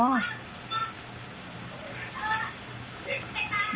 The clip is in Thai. ใช่